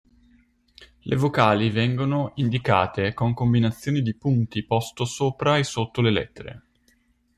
Le vocali vengono indicate con combinazioni di punti posti sopra o sotto le lettere.